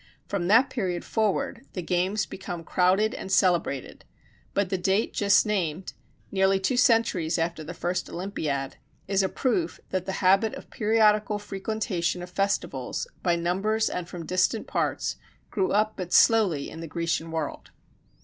From that period forward the games become crowded and celebrated: but the date just named, nearly two centuries after the first Olympiad, is a proof that the habit of periodical frequentation of festivals, by numbers and from distant parts, grew up but slowly in the Grecian world.